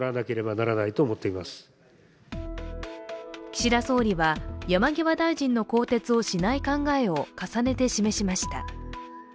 岸田総理は、山際大臣の更迭をしない考えを重ねて示しました。